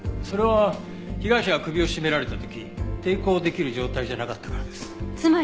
それは被害者が首を絞められた時抵抗できる状態じゃなかったからです。